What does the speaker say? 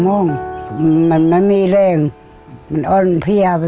โอเคอย่างง่าย